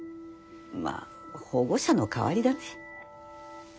まあ保護者の代わりだね。